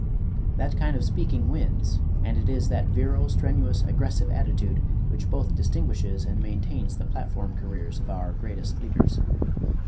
That kind of speaking wins, and it is that virile, strenuous, aggressive attitude which both distinguishes and maintains the platform careers of our greatest leaders.